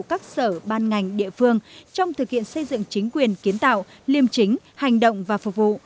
các sở ban ngành địa phương trong thực hiện xây dựng chính quyền kiến tạo liêm chính hành động và phục vụ